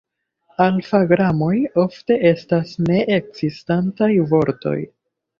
Alfa-gramoj ofte estas ne-ekzistantaj vortoj.